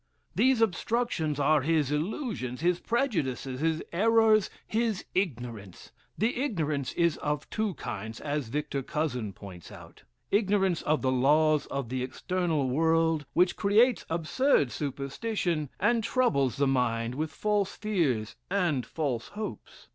These obstructions are his illusions, his prejudices, his errors, his ignorance. This ignorance is of two kinds, as Victor Cousin points out; ignorance of the laws of the external world, which creates absurd superstitions, and troubles the mind with false fears and false hopes.